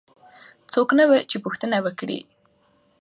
څوک نه وو چې پوښتنه وکړي.